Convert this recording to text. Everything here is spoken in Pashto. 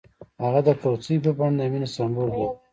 هغه د کوڅه په بڼه د مینې سمبول جوړ کړ.